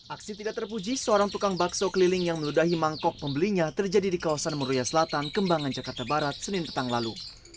aksi tidak terpuji seorang tukang bakso keliling yang meludahi mangkok pembelinya terjadi di kawasan muria selatan kembangan jakarta barat senin petang lalu